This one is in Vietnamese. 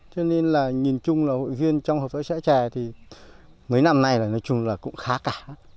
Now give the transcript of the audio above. cho nên là nhìn chung là hội viên trong hợp tác xã trẻ thì mấy năm nay là nói chung là cũng khá cả